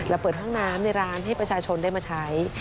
เปิดห้องน้ำในร้านให้ประชาชนได้มาใช้